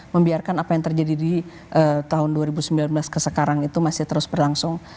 membiarkan apa yang terjadi di tahun dua ribu sembilan belas ke sekarang itu masih terus berlangsung